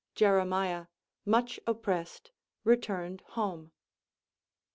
Jeremiah, much oppressed, returned home.